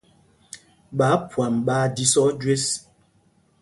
Ɓááphwam ɓaa jísɔ̄ɔ̄ jüés.